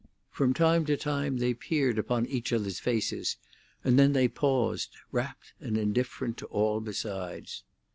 From time to time they peered upon each other's faces, and then they paused, rapt and indifferent to all besides.